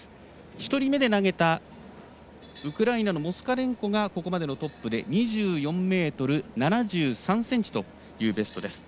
１人目で投げたウクライナのモスカレンコがここまでのトップで２４ｍ７３ｃｍというベストです。